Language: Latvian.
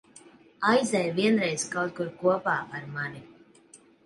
Aizej vienreiz kaut kur kopā ar mani.